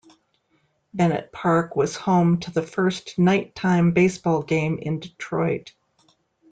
Bennett Park was home to the first nighttime baseball game in Detroit.